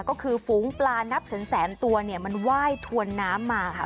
ก็คือฝูงปลานับแสนตัวเนี่ยมันไหว้ถวนน้ำมาค่ะ